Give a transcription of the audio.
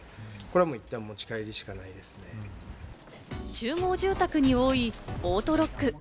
集合住宅に多いオートロック。